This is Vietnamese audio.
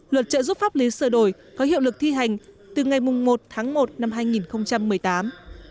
luật trợ giúp pháp lý sửa đổi có hiệu lực thi hành từ ngày một tháng một năm hai nghìn một mươi tám